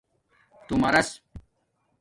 تُݸمارس